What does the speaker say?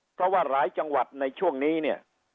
เพราะว่าหลายจังหวัดในช่วงนี้เนี่ย